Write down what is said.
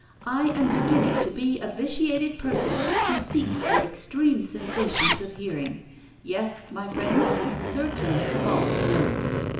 I am beginning to be a vitiated person who seeks for extreme sensations of hearing. Yes, my friends, certain false notes.